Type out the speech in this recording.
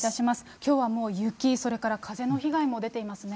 きょうはもう、雪、それから風の被害も出ていますね。